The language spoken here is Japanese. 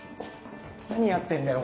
何やってんだよ。